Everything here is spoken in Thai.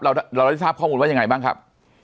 เราได้ทราบข้อมูลว่ายังไงบ้างครับ